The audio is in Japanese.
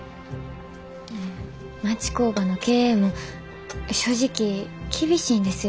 町工場の経営も正直厳しいんですよ。